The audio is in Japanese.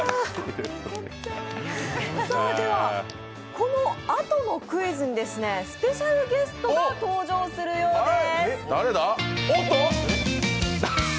このあとのクイズにスペシャルゲストが登場するようです。